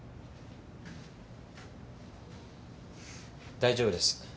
大丈夫です。